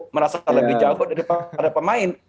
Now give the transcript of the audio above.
merasa lebih jago dari para pemain